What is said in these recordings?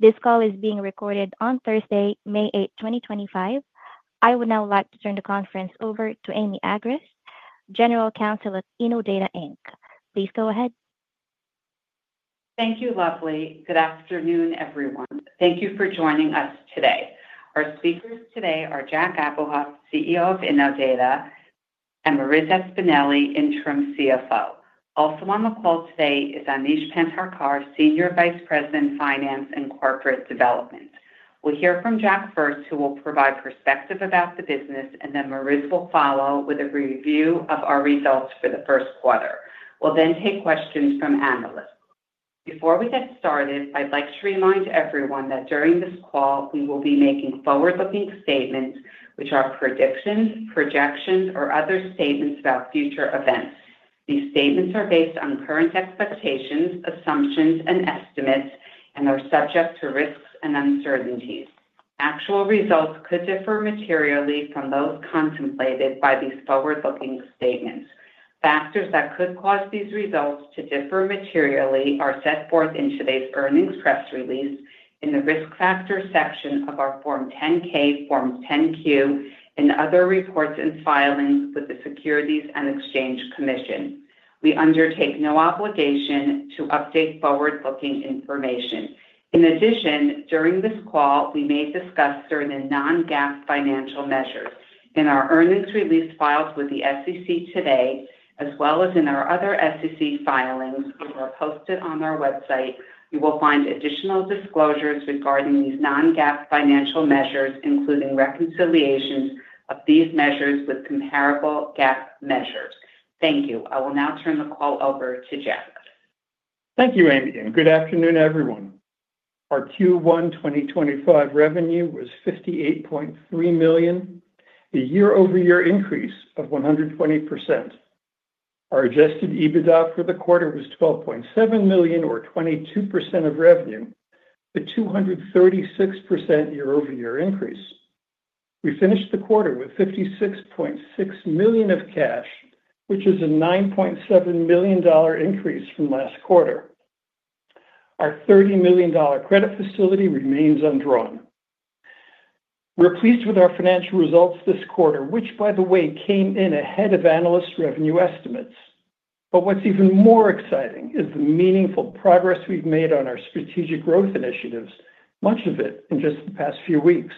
This call is being recorded on Thursday, May 8th, 2025. I would now like to turn the conference over to Amy Agress, General Counsel at Innodata Inc. Please go ahead. Thank you, lovely. Good afternoon, everyone. Thank you for joining us today. Our speakers today are Jack Abuhoff, CEO of Innodata, and Marissa Espineli, Interim CFO. Also on the call today is Aneesh Pendharkar, Senior Vice President, Finance and Corporate Development. We'll hear from Jack first, who will provide perspective about the business, and then Mariz will follow with a review of our results for the first quarter. We'll then take questions from analysts. Before we get started, I'd like to remind everyone that during this call, we will be making forward-looking statements, which are predictions, projections, or other statements about future events. These statements are based on current expectations, assumptions, and estimates, and are subject to risks and uncertainties. Actual results could differ materially from those contemplated by these forward-looking statements. Factors that could cause these results to differ materially are set forth in today's earnings press release in the risk factor section of our Form 10-K, Form 10-Q, and other reports and filings with the Securities and Exchange Commission. We undertake no obligation to update forward-looking information. In addition, during this call, we may discuss certain non-GAAP financial measures. In our earnings release filed with the SEC today, as well as in our other SEC filings which are posted on our website, you will find additional disclosures regarding these non-GAAP financial measures, including reconciliations of these measures with comparable GAAP measures. Thank you. I will now turn the call over to Jack. Thank you, Amy. And good afternoon, everyone. Our Q1 2025 revenue was $58.3 million, a year-over-year increase of 120%. Our adjusted EBITDA for the quarter was $12.7 million, or 22% of revenue, a 236% year-over-year increase. We finished the quarter with $56.6 million of cash, which is a $9.7 million increase from last quarter. Our $30 million credit facility remains undrawn. We're pleased with our financial results this quarter, which, by the way, came in ahead of analysts' revenue estimates. What's even more exciting is the meaningful progress we've made on our strategic growth initiatives, much of it in just the past few weeks.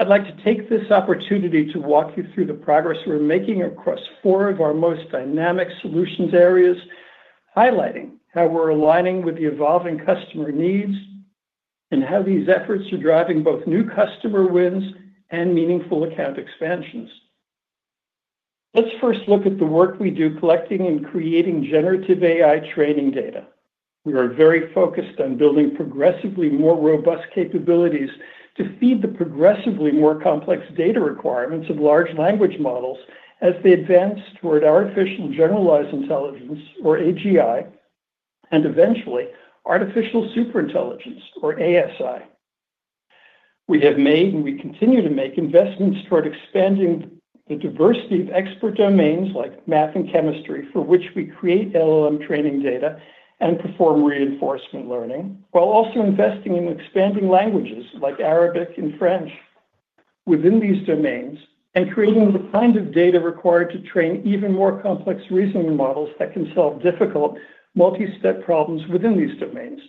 I'd like to take this opportunity to walk you through the progress we're making across four of our most dynamic solutions areas, highlighting how we're aligning with the evolving customer needs and how these efforts are driving both new customer wins and meaningful account expansions. Let's first look at the work we do collecting and creating generative AI training data. We are very focused on building progressively more robust capabilities to feed the progressively more complex data requirements of large language models as they advance toward artificial generalized intelligence, or AGI, and eventually artificial superintelligence, or ASI. We have made and we continue to make investments toward expanding the diversity of expert domains like math and chemistry, for which we create LLM training data and perform reinforcement learning, while also investing in expanding languages like Arabic and French within these domains and creating the kind of data required to train even more complex reasoning models that can solve difficult multi-step problems within these domains.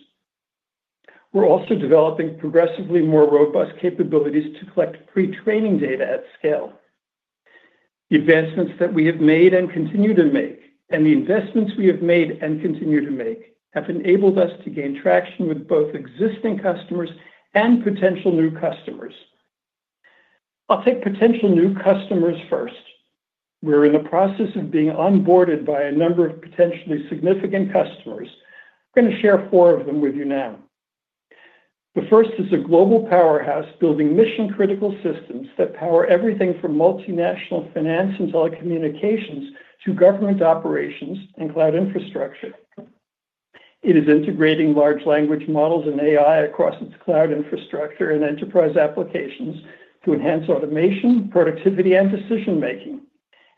We're also developing progressively more robust capabilities to collect pre-training data at scale. The advancements that we have made and continue to make, and the investments we have made and continue to make, have enabled us to gain traction with both existing customers and potential new customers. I'll take potential new customers first. We're in the process of being onboarded by a number of potentially significant customers. I'm going to share four of them with you now. The first is a global powerhouse building mission-critical systems that power everything from multinational finance and telecommunications to government operations and cloud infrastructure. It is integrating large language models and AI across its cloud infrastructure and enterprise applications to enhance automation, productivity, and decision-making,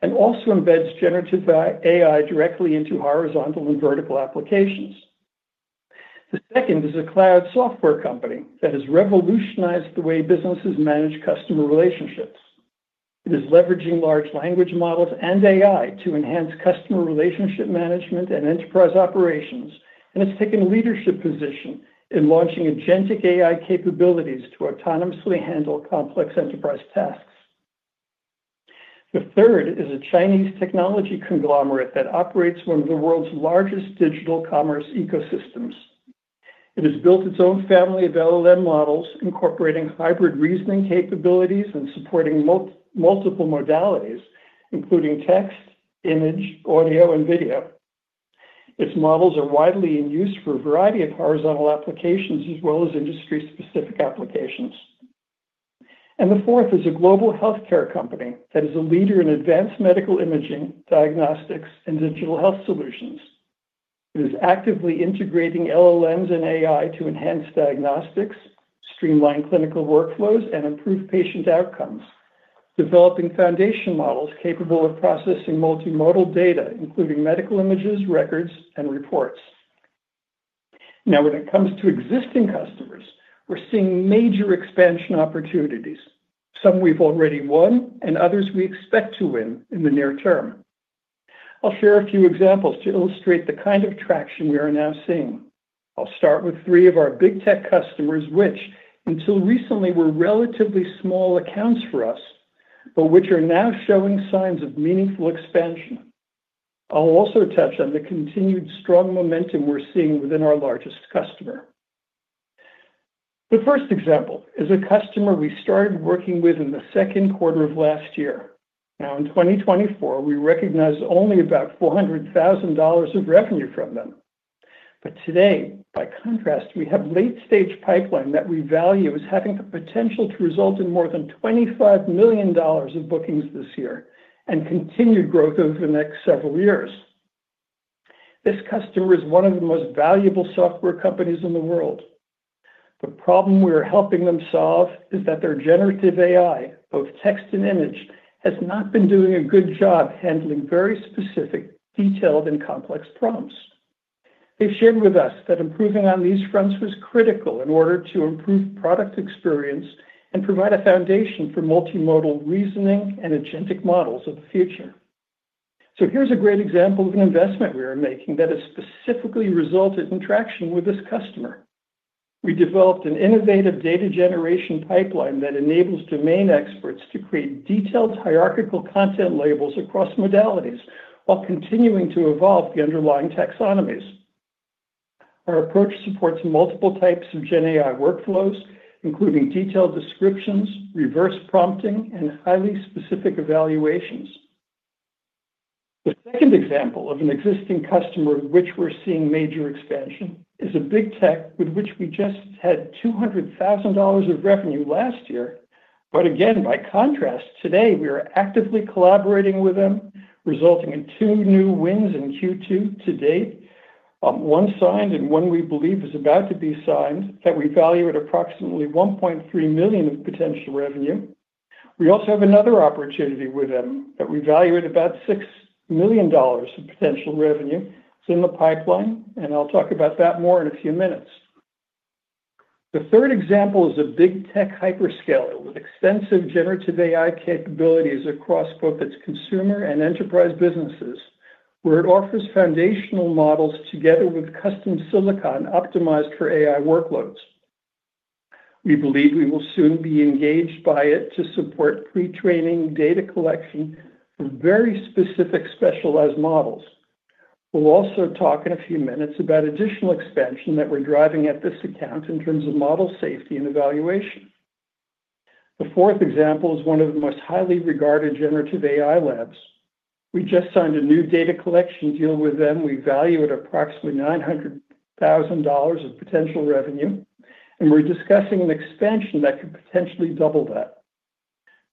and also embeds generative AI directly into horizontal and vertical applications. The second is a cloud software company that has revolutionized the way businesses manage customer relationships. It is leveraging large language models and AI to enhance customer relationship management and enterprise operations, and has taken a leadership position in launching agentic AI capabilities to autonomously handle complex enterprise tasks. The third is a Chinese technology conglomerate that operates one of the world's largest digital commerce ecosystems. It has built its own family of LLM models, incorporating hybrid reasoning capabilities and supporting multiple modalities, including text, image, audio, and video. Its models are widely in use for a variety of horizontal applications as well as industry-specific applications. The fourth is a global healthcare company that is a leader in advanced medical imaging, diagnostics, and digital health solutions. It is actively integrating LLMs and AI to enhance diagnostics, streamline clinical workflows, and improve patient outcomes, developing foundation models capable of processing multimodal data, including medical images, records, and reports. Now, when it comes to existing customers, we're seeing major expansion opportunities, some we've already won and others we expect to win in the near term. I'll share a few examples to illustrate the kind of traction we are now seeing. I'll start with three of our big tech customers, which until recently were relatively small accounts for us, but which are now showing signs of meaningful expansion. I'll also touch on the continued strong momentum we're seeing within our largest customer. The first example is a customer we started working with in the second quarter of last year. Now, in 2024, we recognized only about $400,000 of revenue from them. Today, by contrast, we have late-stage pipeline that we value as having the potential to result in more than $25 million of bookings this year and continued growth over the next seven years. This customer is one of the most valuable software companies in the world. The problem we are helping them solve is that their generative AI, both text and image, has not been doing a good job handling very specific, detailed, and complex prompts. They've shared with us that improving on these fronts was critical in order to improve product experience and provide a foundation for multimodal reasoning and agentic models of the future. Here is a great example of an investment we are making that has specifically resulted in traction with this customer. We developed an innovative data generation pipeline that enables domain experts to create detailed hierarchical content labels across modalities while continuing to evolve the underlying taxonomies. Our approach supports multiple types of GenAI workflows, including detailed descriptions, reverse prompting, and highly specific evaluations. The second example of an existing customer of which we're seeing major expansion is a big tech with which we just had $200,000 of revenue last year. By contrast, today we are actively collaborating with them, resulting in two new wins in Q2 to date, one signed and one we believe is about to be signed that we value at approximately $1.3 million of potential revenue. We also have another opportunity with them that we value at about $6 million of potential revenue. It's in the pipeline, and I'll talk about that more in a few minutes. The third example is a big tech hyperscale with extensive generative AI capabilities across both its consumer and enterprise businesses, where it offers foundational models together with custom silicon optimized for AI workloads. We believe we will soon be engaged by it to support pre-training data collection for very specific specialized models. We'll also talk in a few minutes about additional expansion that we're driving at this account in terms of model safety and evaluation. The fourth example is one of the most highly regarded generative AI labs. We just signed a new data collection deal with them. We value at approximately $900,000 of potential revenue, and we're discussing an expansion that could potentially double that.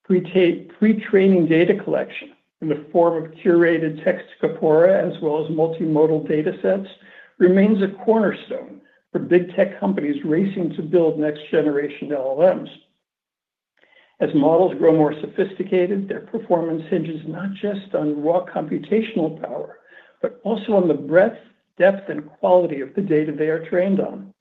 Pre-training data collection in the form of curated text corpora, as well as multimodal data sets, remains a cornerstone for big tech companies racing to build next-generation LLMs. As models grow more sophisticated, their performance hinges not just on raw computational power, but also on the breadth, depth, and quality of the data they are trained on.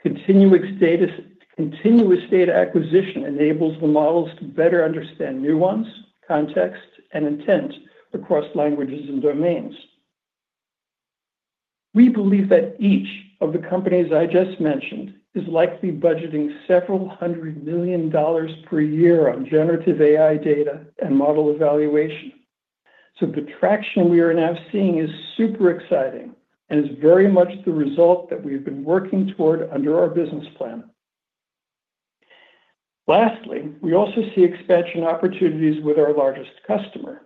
Continuous data acquisition enables the models to better understand nuance, context, and intent across languages and domains. We believe that each of the companies I just mentioned is likely budgeting several hundred million dollars per year on generative AI data and model evaluation. The traction we are now seeing is super exciting and is very much the result that we've been working toward under our business plan. Lastly, we also see expansion opportunities with our largest customer.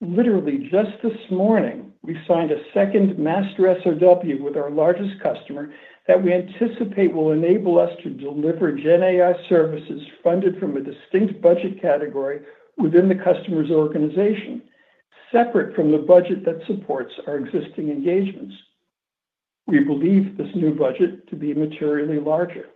Literally, just this morning, we signed a second master SOW with our largest customer that we anticipate will enable us to deliver GenAI services funded from a distinct budget category within the customer's organization, separate from the budget that supports our existing engagements. We believe this new budget to be materially larger.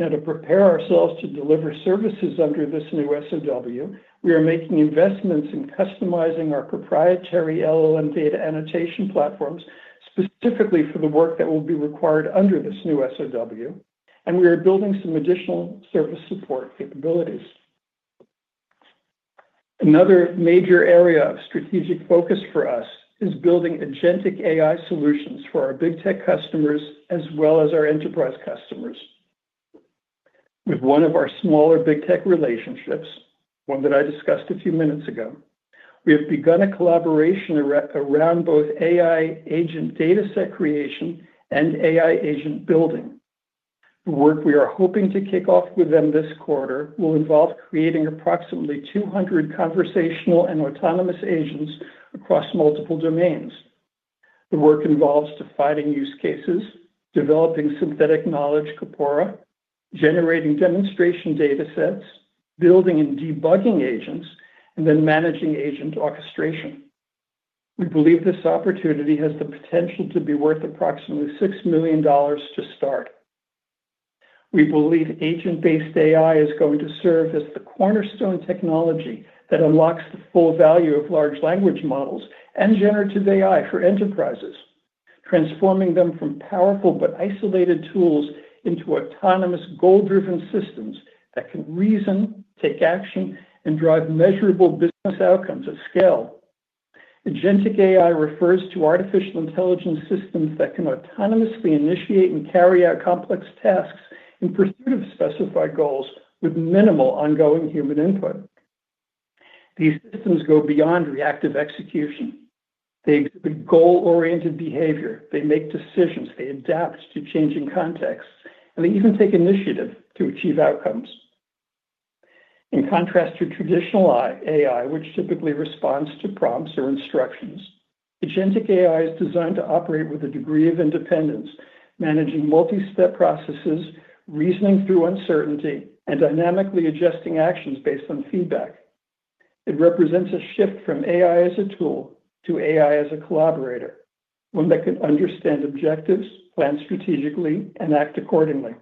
Now, to prepare ourselves to deliver services under this new SOW, we are making investments in customizing our proprietary LLM data annotation platforms specifically for the work that will be required under this new SOW, and we are building some additional service support capabilities. Another major area of strategic focus for us is building agentic AI solutions for our big tech customers as well as our enterprise customers. With one of our smaller big tech relationships, one that I discussed a few minutes ago, we have begun a collaboration around both AI agent data set creation and AI agent building. The work we are hoping to kick off with them this quarter will involve creating approximately 200 conversational and autonomous agents across multiple domains. The work involves defining use cases, developing synthetic knowledge corpora, generating demonstration data sets, building and debugging agents, and then managing agent orchestration. We believe this opportunity has the potential to be worth approximately $6 million to start. We believe agent-based AI is going to serve as the cornerstone technology that unlocks the full value of large language models and generative AI for enterprises, transforming them from powerful but isolated tools into autonomous, goal-driven systems that can reason, take action, and drive measurable business outcomes at scale. Agentic AI refers to artificial intelligence systems that can autonomously initiate and carry out complex tasks in pursuit of specified goals with minimal ongoing human input. These systems go beyond reactive execution. They exhibit goal-oriented behavior. They make decisions. They adapt to changing contexts, and they even take initiative to achieve outcomes. In contrast to traditional AI, which typically responds to prompts or instructions, agentic AI is designed to operate with a degree of independence, managing multi-step processes, reasoning through uncertainty, and dynamically adjusting actions based on feedback. It represents a shift from AI as a tool to AI as a collaborator, one that can understand objectives, plan strategically, and act accordingly.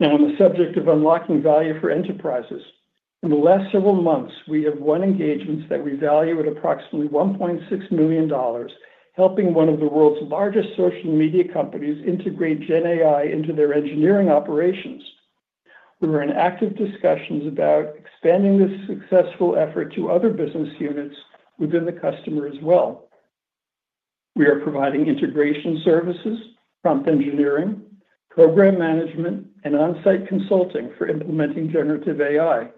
Now, on the subject of unlocking value for enterprises, in the last several months, we have won engagements that we value at approximately $1.6 million, helping one of the world's largest social media companies integrate GenAI into their engineering operations. We were in active discussions about expanding this successful effort to other business units within the customer as well. We are providing integration services, prompt engineering, program management, and on-site consulting for implementing generative AI.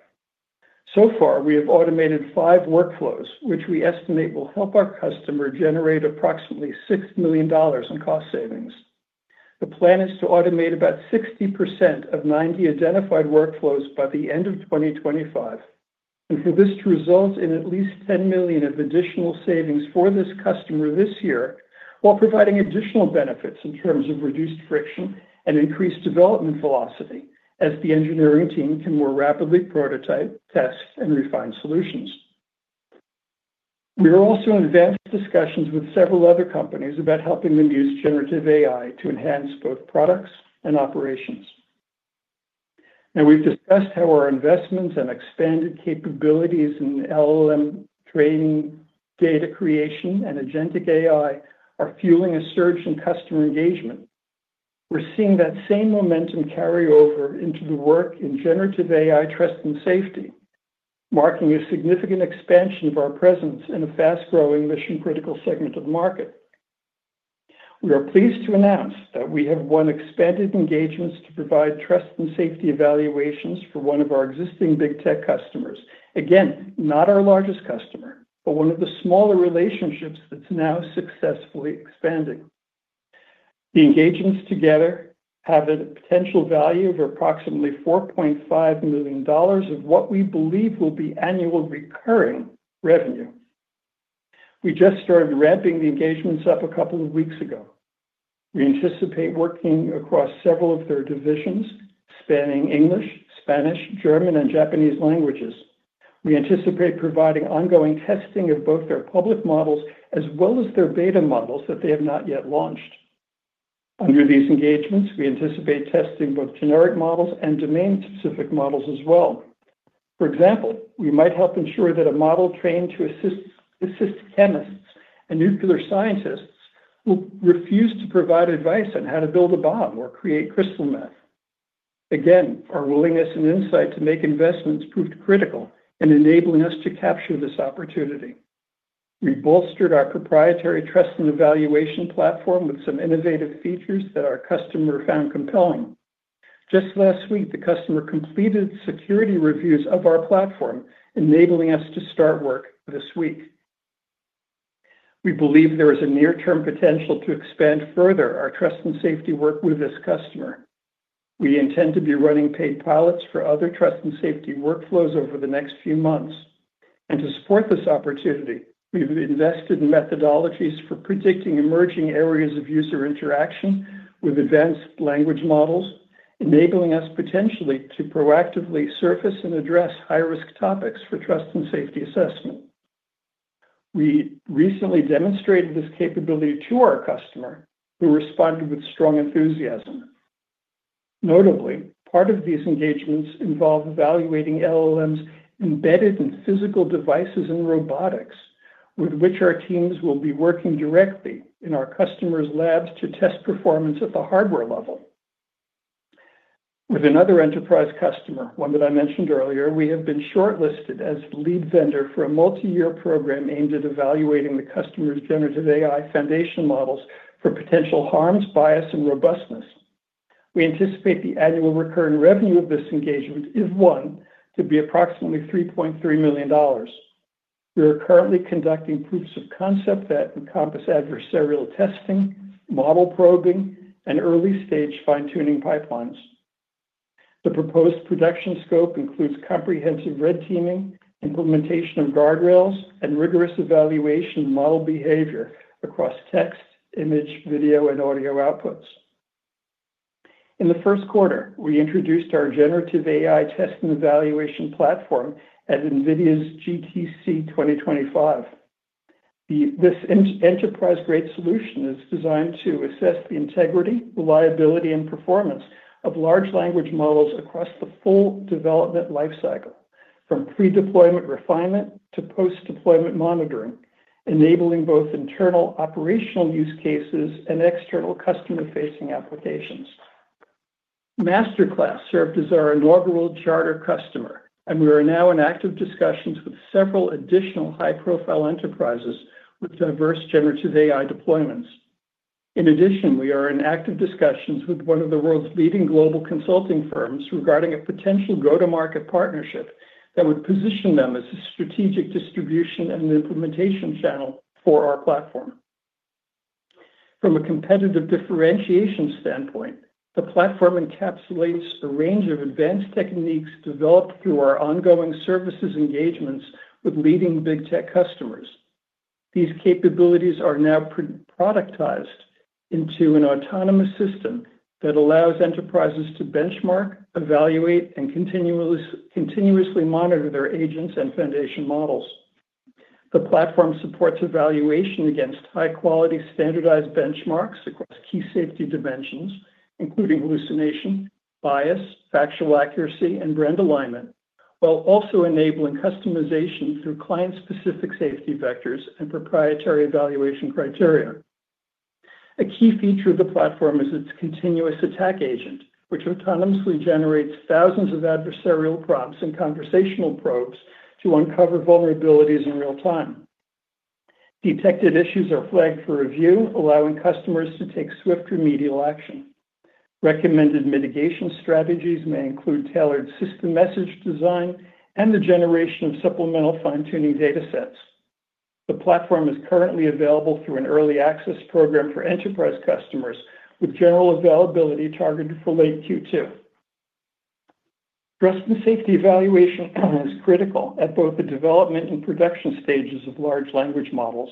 So far, we have automated five workflows, which we estimate will help our customer generate approximately $6 million in cost savings. The plan is to automate about 60% of 90 identified workflows by the end of 2025, and for this to result in at least $10 million of additional savings for this customer this year, while providing additional benefits in terms of reduced friction and increased development velocity as the engineering team can more rapidly prototype, test, and refine solutions. We are also in advanced discussions with several other companies about helping them use generative AI to enhance both products and operations. Now, we've discussed how our investments and expanded capabilities in LLM training, data creation, and agentic AI are fueling a surge in customer engagement. We're seeing that same momentum carry over into the work in generative AI trust and safety, marking a significant expansion of our presence in a fast-growing mission-critical segment of the market. We are pleased to announce that we have won expanded engagements to provide trust and safety evaluations for one of our existing big tech customers. Again, not our largest customer, but one of the smaller relationships that's now successfully expanding. The engagements together have a potential value of approximately $4.5 million of what we believe will be annual recurring revenue. We just started ramping the engagements up a couple of weeks ago. We anticipate working across several of their divisions spanning English, Spanish, German, and Japanese languages. We anticipate providing ongoing testing of both their public models as well as their beta models that they have not yet launched. Under these engagements, we anticipate testing both generic models and domain-specific models as well. For example, we might help ensure that a model trained to assist chemists and nuclear scientists will refuse to provide advice on how to build a bomb or create crystal meth. Again, our willingness and insight to make investments proved critical in enabling us to capture this opportunity. We bolstered our proprietary trust and evaluation platform with some innovative features that our customer found compelling. Just last week, the customer completed security reviews of our platform, enabling us to start work this week. We believe there is a near-term potential to expand further our trust and safety work with this customer. We intend to be running paid pilots for other trust and safety workflows over the next few months. To support this opportunity, we've invested in methodologies for predicting emerging areas of user interaction with advanced language models, enabling us potentially to proactively surface and address high-risk topics for trust and safety assessment. We recently demonstrated this capability to our customer, who responded with strong enthusiasm. Notably, part of these engagements involve evaluating LLMs embedded in physical devices and robotics, with which our teams will be working directly in our customer's labs to test performance at the hardware level. With another enterprise customer, one that I mentioned earlier, we have been shortlisted as lead vendor for a multi-year program aimed at evaluating the customer's generative AI foundation models for potential harms, bias, and robustness. We anticipate the annual recurring revenue of this engagement is one to be approximately $3.3 million. We are currently conducting proofs of concept that encompass adversarial testing, model probing, and early-stage fine-tuning pipelines. The proposed production scope includes comprehensive red teaming, implementation of guardrails, and rigorous evaluation of model behavior across text, image, video, and audio outputs. In the first quarter, we introduced our generative AI test and evaluation platform at NVIDIA's GTC 2025. This enterprise-grade solution is designed to assess the integrity, reliability, and performance of large language models across the full development lifecycle, from pre-deployment refinement to post-deployment monitoring, enabling both internal operational use cases and external customer-facing applications. MasterClass served as our inaugural charter customer, and we are now in active discussions with several additional high-profile enterprises with diverse generative AI deployments. In addition, we are in active discussions with one of the world's leading global consulting firms regarding a potential go-to-market partnership that would position them as a strategic distribution and implementation channel for our platform. From a competitive differentiation standpoint, the platform encapsulates a range of advanced techniques developed through our ongoing services engagements with leading big tech customers. These capabilities are now productized into an autonomous system that allows enterprises to benchmark, evaluate, and continuously monitor their agents and foundation models. The platform supports evaluation against high-quality standardized benchmarks across key safety dimensions, including hallucination, bias, factual accuracy, and brand alignment, while also enabling customization through client-specific safety vectors and proprietary evaluation criteria. A key feature of the platform is its continuous attack agent, which autonomously generates thousands of adversarial prompts and conversational probes to uncover vulnerabilities in real time. Detected issues are flagged for review, allowing customers to take swift remedial action. Recommended mitigation strategies may include tailored system message design and the generation of supplemental fine-tuning data sets. The platform is currently available through an early access program for enterprise customers, with general availability targeted for late Q2. Trust and safety evaluation is critical at both the development and production stages of large language models.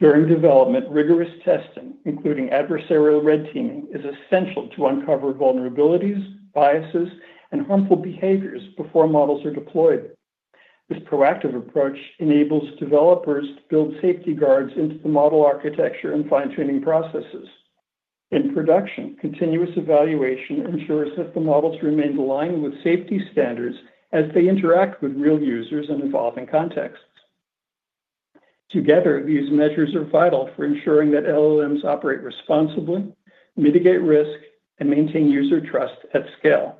During development, rigorous testing, including adversarial red teaming, is essential to uncover vulnerabilities, biases, and harmful behaviors before models are deployed. This proactive approach enables developers to build safety guards into the model architecture and fine-tuning processes. In production, continuous evaluation ensures that the models remain aligned with safety standards as they interact with real users and evolving contexts. Together, these measures are vital for ensuring that LLMs operate responsibly, mitigate risk, and maintain user trust at scale.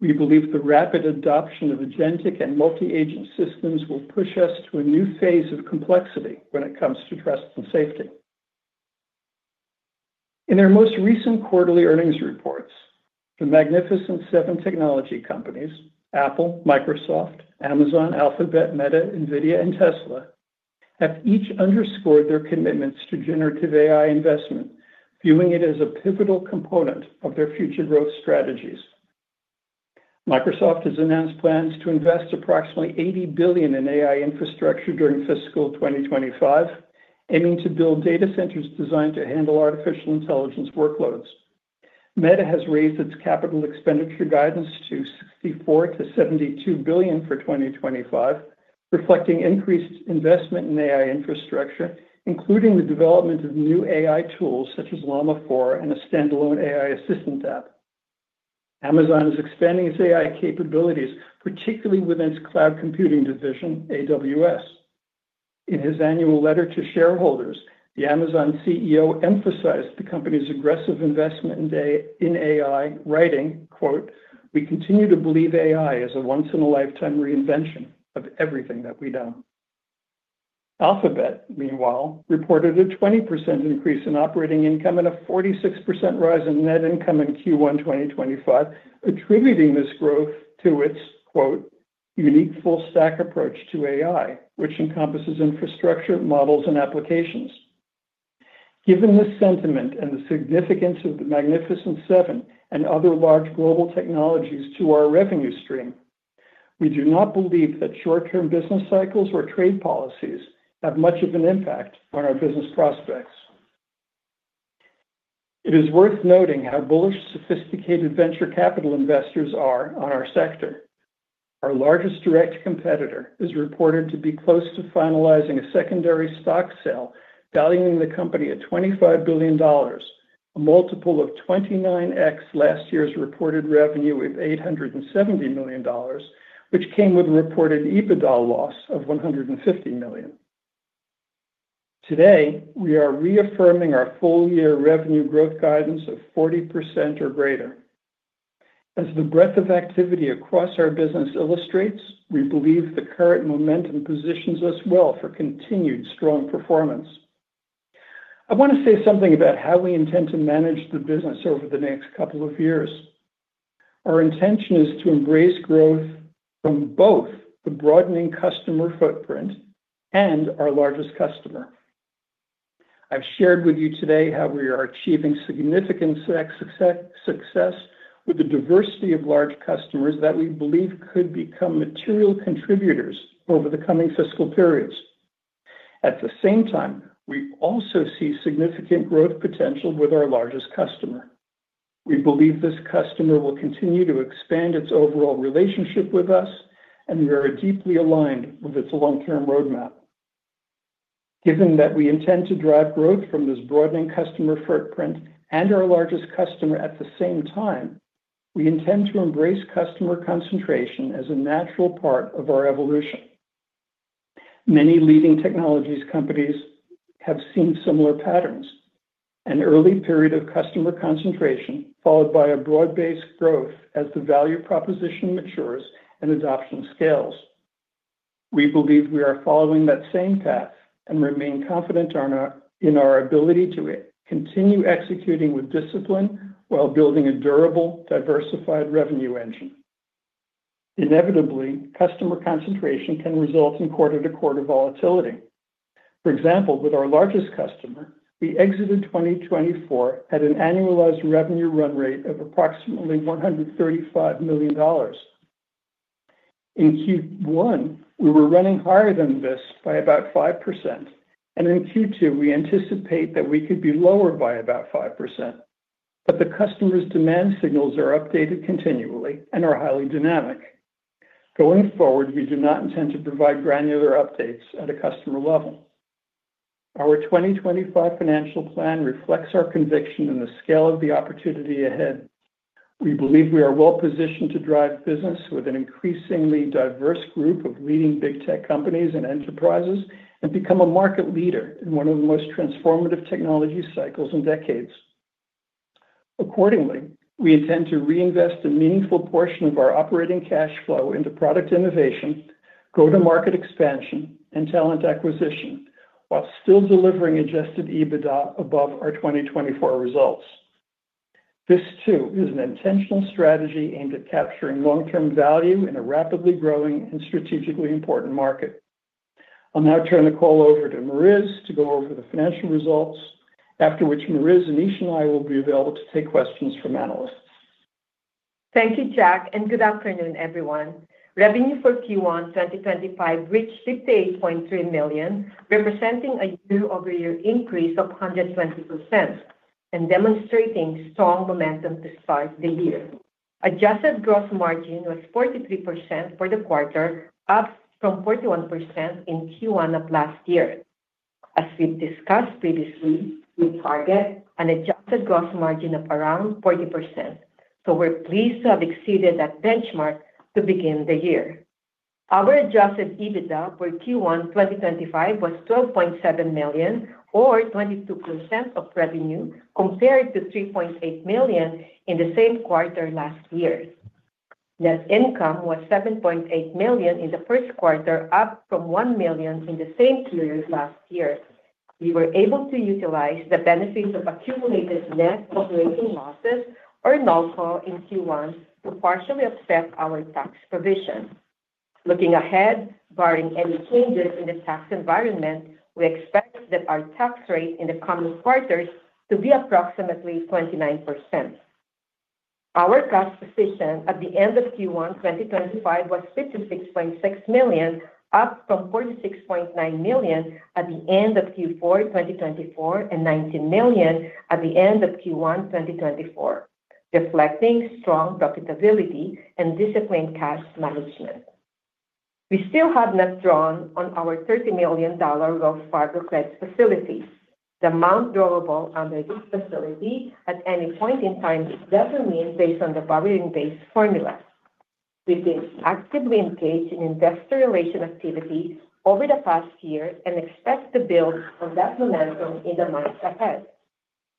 We believe the rapid adoption of agentic and multi-agent systems will push us to a new phase of complexity when it comes to trust and safety. In their most recent quarterly earnings reports, the Magnificent Seven technology companies—Apple, Microsoft, Amazon, Alphabet, Meta, NVIDIA, and Tesla—have each underscored their commitments to generative AI investment, viewing it as a pivotal component of their future growth strategies. Microsoft has announced plans to invest approximately $80 billion in AI infrastructure during fiscal 2025, aiming to build data centers designed to handle artificial intelligence workloads. Meta has raised its capital expenditure guidance to $64-$72 billion for 2025, reflecting increased investment in AI infrastructure, including the development of new AI tools such as Llama 4 and a standalone AI assistant app. Amazon is expanding its AI capabilities, particularly within its cloud computing division, AWS. In his annual letter to shareholders, the Amazon CEO emphasized the company's aggressive investment in AI, writing, "We continue to believe AI is a once-in-a-lifetime reinvention of everything that we know." Alphabet, meanwhile, reported a 20% increase in operating income and a 46% rise in net income in Q1 2025, attributing this growth to its "unique full-stack approach to AI," which encompasses infrastructure, models, and applications. Given the sentiment and the significance of the Magnificent Seven and other large global technologies to our revenue stream, we do not believe that short-term business cycles or trade policies have much of an impact on our business prospects. It is worth noting how bullish sophisticated venture capital investors are on our sector. Our largest direct competitor is reported to be close to finalizing a secondary stock sale, valuing the company at $25 billion, a multiple of 29x last year's reported revenue of $870 million, which came with a reported EBITDA loss of $150 million. Today, we are reaffirming our full-year revenue growth guidance of 40% or greater. As the breadth of activity across our business illustrates, we believe the current momentum positions us well for continued strong performance. I want to say something about how we intend to manage the business over the next couple of years. Our intention is to embrace growth from both the broadening customer footprint and our largest customer. I've shared with you today how we are achieving significant success with the diversity of large customers that we believe could become material contributors over the coming fiscal periods. At the same time, we also see significant growth potential with our largest customer. We believe this customer will continue to expand its overall relationship with us, and we are deeply aligned with its long-term roadmap. Given that we intend to drive growth from this broadening customer footprint and our largest customer at the same time, we intend to embrace customer concentration as a natural part of our evolution. Many leading technology companies have seen similar patterns: an early period of customer concentration followed by broad-based growth as the value proposition matures and adoption scales. We believe we are following that same path and remain confident in our ability to continue executing with discipline while building a durable, diversified revenue engine. Inevitably, customer concentration can result in quarter-to-quarter volatility. For example, with our largest customer, we exited 2024 at an annualized revenue run rate of approximately $135 million. In Q1, we were running higher than this by about 5%, and in Q2, we anticipate that we could be lower by about 5%. The customer's demand signals are updated continually and are highly dynamic. Going forward, we do not intend to provide granular updates at a customer level. Our 2025 financial plan reflects our conviction in the scale of the opportunity ahead. We believe we are well-positioned to drive business with an increasingly diverse group of leading big tech companies and enterprises and become a market leader in one of the most transformative technology cycles in decades. Accordingly, we intend to reinvest a meaningful portion of our operating cash flow into product innovation, go-to-market expansion, and talent acquisition while still delivering adjusted EBITDA above our 2024 results. This, too, is an intentional strategy aimed at capturing long-term value in a rapidly growing and strategically important market. I'll now turn the call over to Mariz to go over the financial results, after which Mariz, Aneesh, and I will be available to take questions from analysts. Thank you, Jack, and good afternoon, everyone. Revenue for Q1 2025 reached $68.3 million, representing a year-over-year increase of 120% and demonstrating strong momentum despite the year. Adjusted gross margin was 43% for the quarter, up from 41% in Q1 of last year. As we've discussed previously, we target an adjusted gross margin of around 40%, so we're pleased to have exceeded that benchmark to begin the year. Our adjusted EBITDA for Q1 2025 was $12.7 million, or 22% of revenue, compared to $3.8 million in the same quarter last year. Net income was $7.8 million in the first quarter, up from $1 million in the same period last year. We were able to utilize the benefits of accumulated net operating losses, or NOL, in Q1 to partially offset our tax provision. Looking ahead, barring any changes in the tax environment, we expect that our tax rate in the coming quarters to be approximately 29%. Our tax position at the end of Q1 2025 was $56.6 million, up from $46.9 million at the end of Q4 2024 and $19 million at the end of Q1 2024, reflecting strong profitability and disciplined cash management. We still have not drawn on our $30 million Wells Fargo credit facility. The amount drawable under this facility at any point in time is determined based on the barrier-based formula. We've been actively engaged in investor relation activity over the past year and expect to build on that momentum in the months ahead.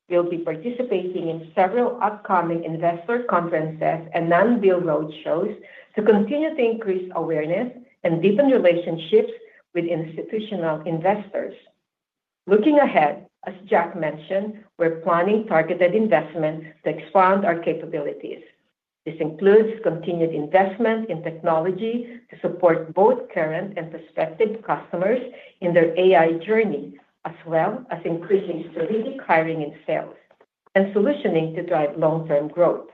We'll be participating in several upcoming investor conferences and non-deal roadshows to continue to increase awareness and deepen relationships with institutional investors. Looking ahead, as Jack mentioned, we're planning targeted investment to expand our capabilities. This includes continued investment in technology to support both current and prospective customers in their AI journey, as well as increasing strategic hiring and sales, and solutioning to drive long-term growth.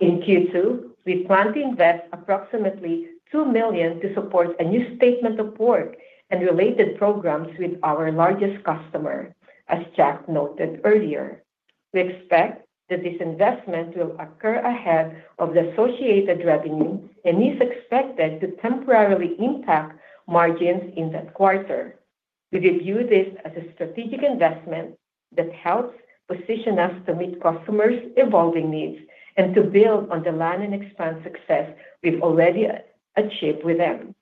In Q2, we plan to invest approximately $2 million to support a new statement of work and related programs with our largest customer, as Jack noted earlier. We expect that this investment will occur ahead of the associated revenue, and it is expected to temporarily impact margins in that quarter. We view this as a strategic investment that helps position us to meet customers' evolving needs and to build on the land and expand success we've already achieved with them.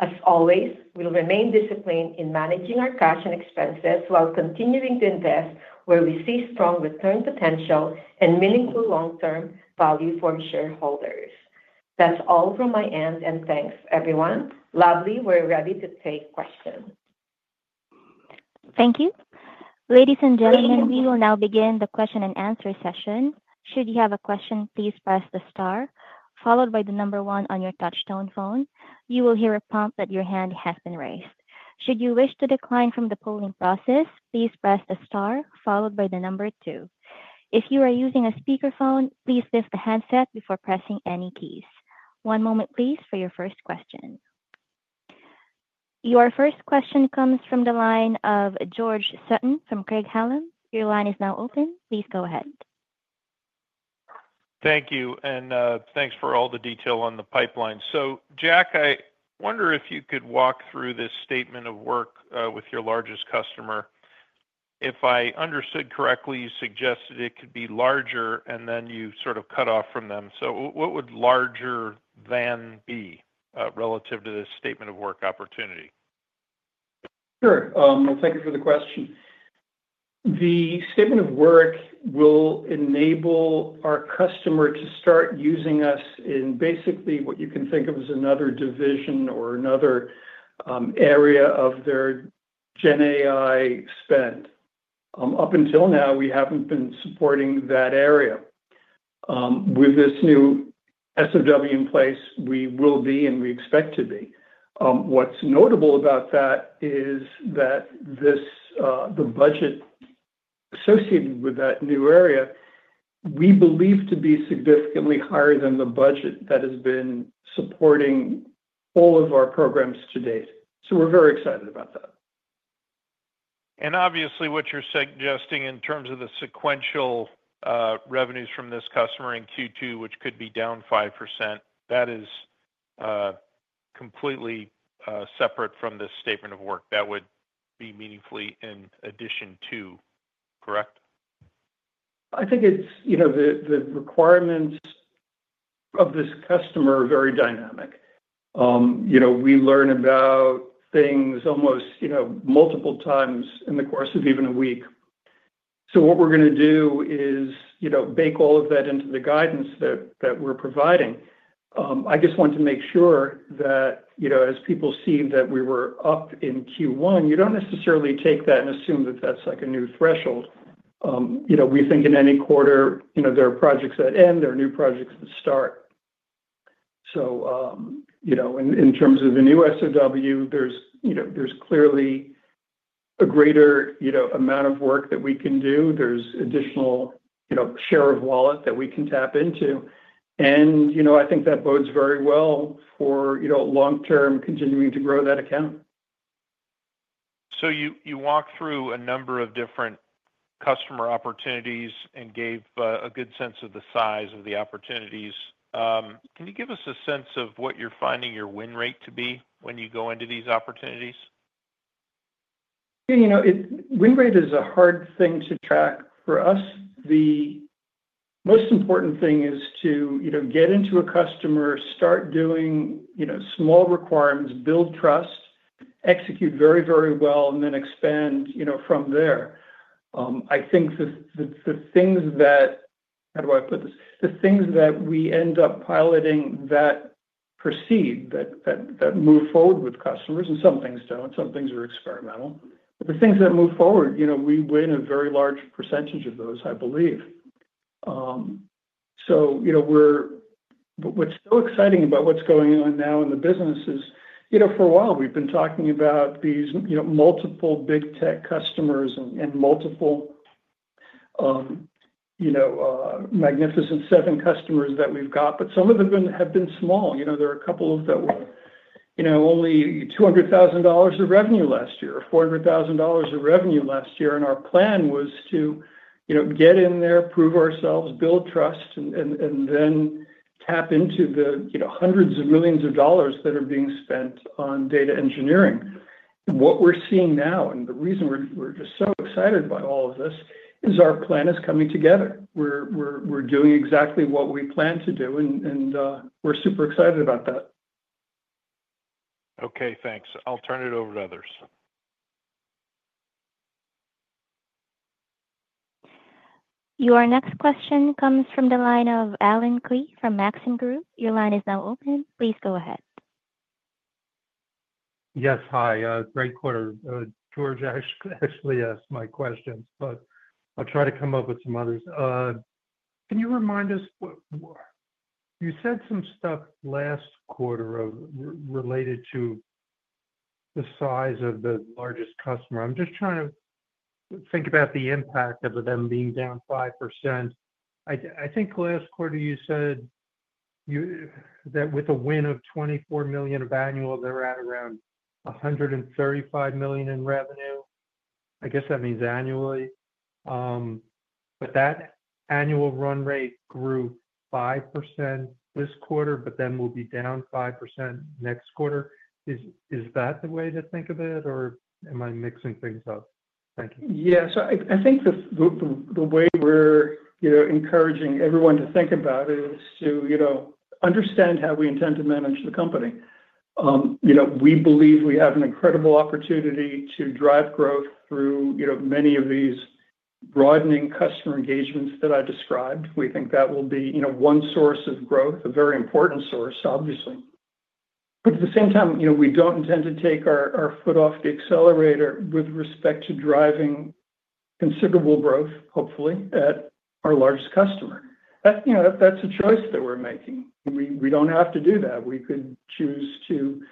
As always, we'll remain disciplined in managing our cash and expenses while continuing to invest where we see strong return potential and meaningful long-term value for shareholders. That's all from my end, and thanks, everyone. Lovely, we're ready to take questions. Thank you. Ladies and gentlemen, we will now begin the question and answer session. Should you have a question, please press the star, followed by the number one on your touch-tone phone. You will hear a prompt that your hand has been raised. Should you wish to decline from the polling process, please press the star, followed by the number two. If you are using a speakerphone, please lift the handset before pressing any keys. One moment, please, for your first question. Your first question comes from the line of George Sutton from Craig-Hallum. Your line is now open. Please go ahead. Thank you, and thanks for all the detail on the pipeline. Jack, I wonder if you could walk through this statement of work with your largest customer. If I understood correctly, you suggested it could be larger, and then you sort of cut off from them. What would larger than be relative to this statement of work opportunity? Sure. Thank you for the question. The statement of work will enable our customer to start using us in basically what you can think of as another division or another area of their GenAI spend. Up until now, we have not been supporting that area. With this new SOW in place, we will be, and we expect to be. What's notable about that is that the budget associated with that new area we believe to be significantly higher than the budget that has been supporting all of our programs to date. We are very excited about that. Obviously, what you're suggesting in terms of the sequential revenues from this customer in Q2, which could be down 5%, that is completely separate from this statement of work that would be meaningfully in addition to, correct? I think the requirements of this customer are very dynamic. We learn about things almost multiple times in the course of even a week. What we are going to do is bake all of that into the guidance that we are providing. I just want to make sure that as people see that we were up in Q1, you do not necessarily take that and assume that is like a new threshold. We think in any quarter, there are projects that end, there are new projects that start. In terms of the new SOW, there is clearly a greater amount of work that we can do. There is an additional share of wallet that we can tap into. I think that bodes very well for long-term continuing to grow that account. You walked through a number of different customer opportunities and gave a good sense of the size of the opportunities. Can you give us a sense of what you are finding your win rate to be when you go into these opportunities? Win rate is a hard thing to track for us. The most important thing is to get into a customer, start doing small requirements, build trust, execute very, very well, and then expand from there. I think the things that—how do I put this?—the things that we end up piloting that proceed, that move forward with customers. Some things do not. Some things are experimental. The things that move forward, we win a very large percentage of those, I believe. What is so exciting about what is going on now in the business is, for a while, we have been talking about these multiple big tech customers and multiple Magnificent Seven customers that we have got, but some of them have been small. There are a couple of them that were only $200,000 of revenue last year, $400,000 of revenue last year. Our plan was to get in there, prove ourselves, build trust, and then tap into the hundreds of millions of dollars that are being spent on data engineering. What we're seeing now, and the reason we're just so excited by all of this, is our plan is coming together. We're doing exactly what we plan to do, and we're super excited about that. Okay. Thanks. I'll turn it over to others. Your next question comes from the line of Allen Klee from Maxim Group. Your line is now open. Please go ahead. Yes. Hi. Great quarter. George actually asked my questions, but I'll try to come up with some others. Can you remind us? You said some stuff last quarter related to the size of the largest customer. I'm just trying to think about the impact of them being down 5%. I think last quarter, you said that with a win of $24 million of annual, they're at around $135 million in revenue. I guess that means annually. That annual run rate grew 5% this quarter, but then will be down 5% next quarter. Is that the way to think of it, or am I mixing things up? Thank you. Yeah. I think the way we're encouraging everyone to think about it is to understand how we intend to manage the company. We believe we have an incredible opportunity to drive growth through many of these broadening customer engagements that I described. We think that will be one source of growth, a very important source, obviously. At the same time, we do not intend to take our foot off the accelerator with respect to driving considerable growth, hopefully, at our largest customer. That is a choice that we are making. We do not have to do that. We could choose to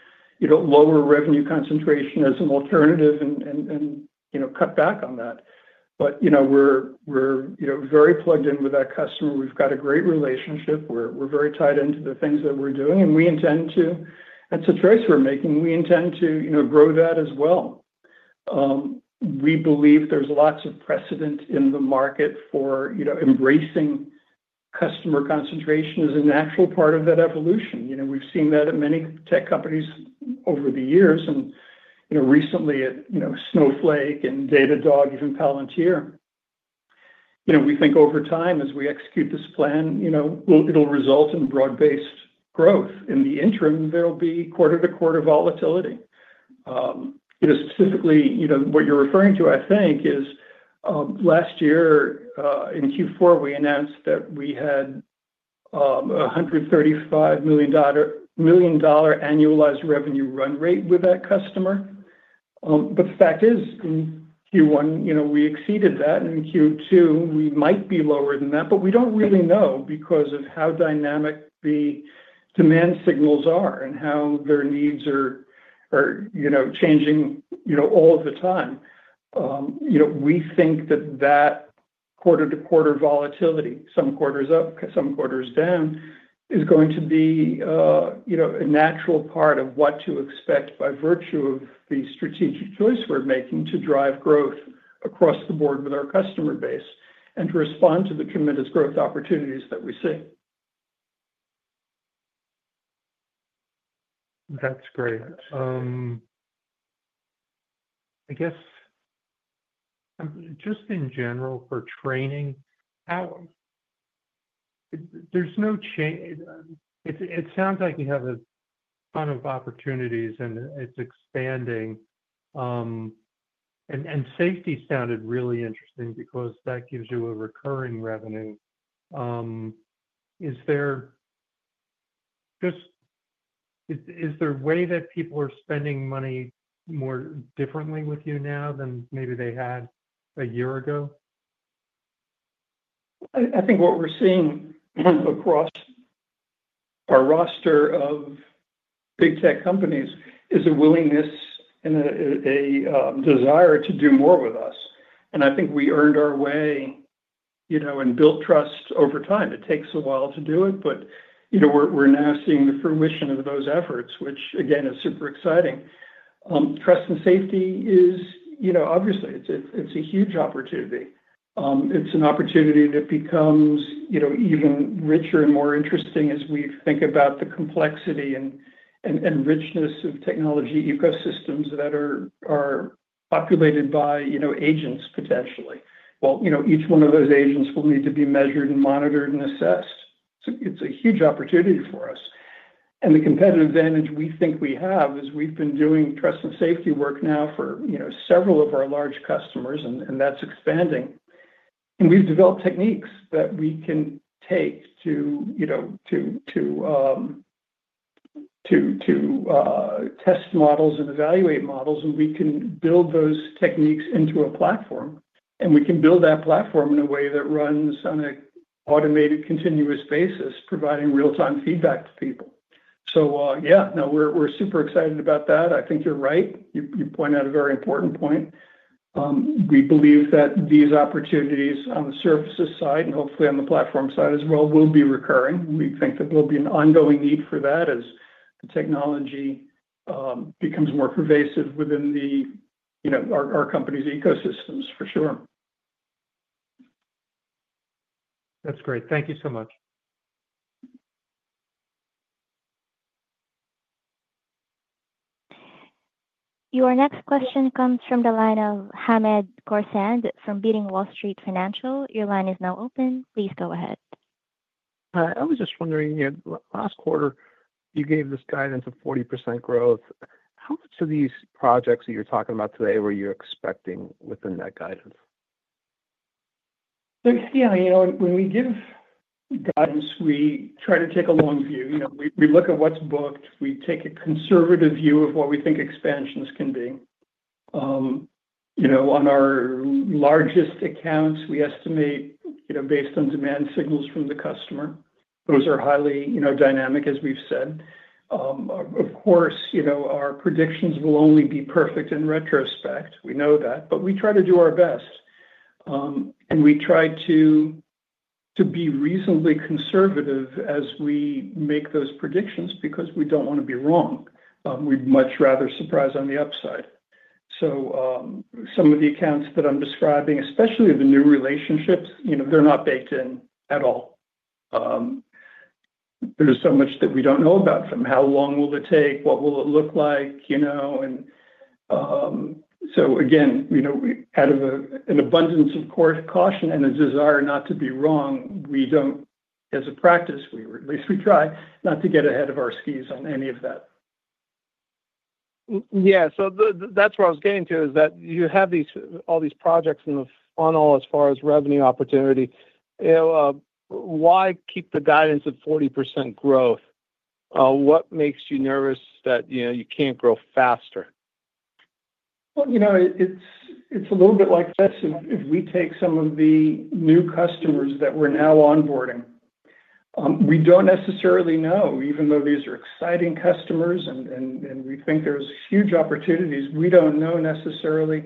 lower revenue concentration as an alternative and cut back on that. We are very plugged in with that customer. We have a great relationship. We are very tied into the things that we are doing, and we intend to—that is a choice we are making—we intend to grow that as well. We believe there is lots of precedent in the market for embracing customer concentration as a natural part of that evolution. We have seen that at many tech companies over the years, and recently at Snowflake and Datadog, even Palantir. We think over time, as we execute this plan, it will result in broad-based growth. In the interim, there will be quarter-to-quarter volatility. Specifically, what you are referring to, I think, is last year in Q4, we announced that we had a $135 million annualized revenue run rate with that customer. The fact is, in Q1, we exceeded that. In Q2, we might be lower than that, but we do not really know because of how dynamic the demand signals are and how their needs are changing all of the time. We think that that quarter-to-quarter volatility, some quarters up, some quarters down, is going to be a natural part of what to expect by virtue of the strategic choice we are making to drive growth across the board with our customer base and to respond to the tremendous growth opportunities that we see. That is great. I guess, just in general, for training, there is no—it sounds like you have a ton of opportunities, and it is expanding. And safety sounded really interesting because that gives you a recurring revenue. Is there a way that people are spending money more differently with you now than maybe they had a year ago? I think what we're seeing across our roster of big tech companies is a willingness and a desire to do more with us. I think we earned our way and built trust over time. It takes a while to do it, but we're now seeing the fruition of those efforts, which, again, is super exciting. Trust and safety is, obviously, it's a huge opportunity. It's an opportunity that becomes even richer and more interesting as we think about the complexity and richness of technology ecosystems that are populated by agents, potentially. Each one of those agents will need to be measured and monitored and assessed. It's a huge opportunity for us. The competitive advantage we think we have is we've been doing trust and safety work now for several of our large customers, and that's expanding. We have developed techniques that we can take to test models and evaluate models, and we can build those techniques into a platform. We can build that platform in a way that runs on an automated continuous basis, providing real-time feedback to people. Yeah, no, we are super excited about that. I think you are right. You point out a very important point. We believe that these opportunities on the services side and hopefully on the platform side as well will be recurring. We think that there will be an ongoing need for that as the technology becomes more pervasive within our company's ecosystems, for sure. That is great. Thank you so much. Your next question comes from the line of Hamed Khorsand from Beating Wall Street Financial. Your line is now open. Please go ahead. I was just wondering, last quarter, you gave this guidance of 40% growth. How much of these projects that you're talking about today were you expecting within that guidance? Yeah. When we give guidance, we try to take a long view. We look at what's booked. We take a conservative view of what we think expansions can be. On our largest accounts, we estimate based on demand signals from the customer. Those are highly dynamic, as we've said. Of course, our predictions will only be perfect in retrospect. We know that, but we try to do our best. We try to be reasonably conservative as we make those predictions because we don't want to be wrong. We'd much rather surprise on the upside. Some of the accounts that I'm describing, especially the new relationships, they're not baked in at all. There's so much that we don't know about them. How long will it take? What will it look like? Out of an abundance of caution and a desire not to be wrong, we do not, as a practice, at least we try, not to get ahead of our skis on any of that. Yeah. That is what I was getting to, is that you have all these projects on all as far as revenue opportunity. Why keep the guidance of 40% growth? What makes you nervous that you cannot grow faster? It is a little bit like this. If we take some of the new customers that we are now onboarding, we do not necessarily know, even though these are exciting customers, and we think there are huge opportunities. We do not know necessarily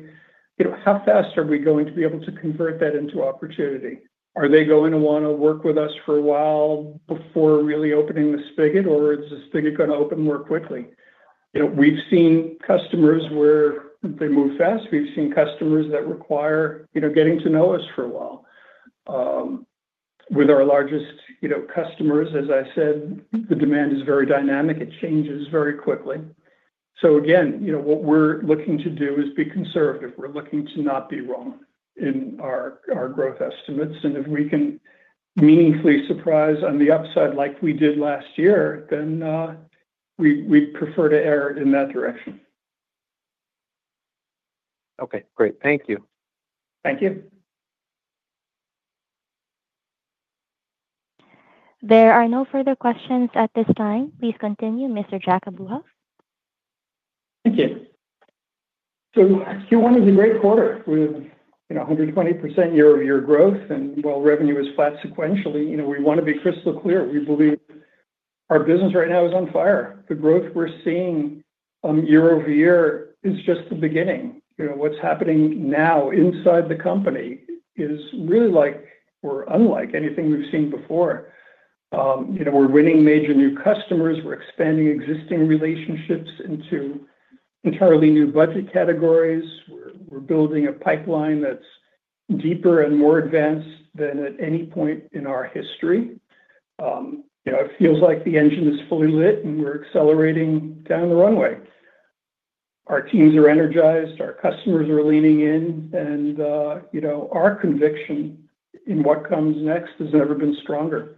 how fast we are going to be able to convert that into opportunity. Are they going to want to work with us for a while before really opening the spigot, or is the spigot going to open more quickly? We've seen customers where they move fast. We've seen customers that require getting to know us for a while. With our largest customers, as I said, the demand is very dynamic. It changes very quickly. What we're looking to do is be conservative. We're looking to not be wrong in our growth estimates. If we can meaningfully surprise on the upside like we did last year, then we'd prefer to error in that direction. Okay. Great. Thank you. Thank you. There are no further questions at this time. Please continue, Mr. Jack Abuhoff. Thank you. Q1 is a great quarter with 120% year-over-year growth. While revenue is flat sequentially, we want to be crystal clear. We believe our business right now is on fire. The growth we're seeing year-over-year is just the beginning. What's happening now inside the company is really like or unlike anything we've seen before. We're winning major new customers. We're expanding existing relationships into entirely new budget categories. We're building a pipeline that's deeper and more advanced than at any point in our history. It feels like the engine is fully lit, and we're accelerating down the runway. Our teams are energized. Our customers are leaning in. Our conviction in what comes next has never been stronger.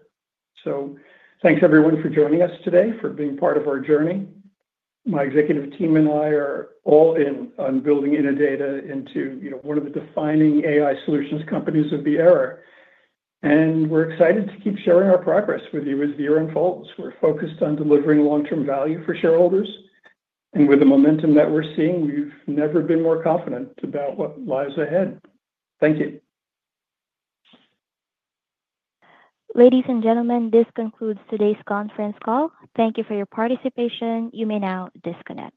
Thanks, everyone, for joining us today, for being part of our journey. My executive team and I are all in on building Innodata into one of the defining AI solutions companies of the era. We're excited to keep sharing our progress with you as the year unfolds. We're focused on delivering long-term value for shareholders. With the momentum that we're seeing, we've never been more confident about what lies ahead. Thank you. Ladies and gentlemen, this concludes today's conference call. Thank you for your participation. You may now disconnect.